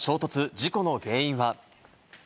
事故の原因は？